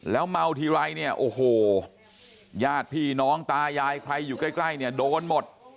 เมาทีไรเนี่ยโอ้โหญาติพี่น้องตายายใครอยู่ใกล้เนี่ยโดนหมด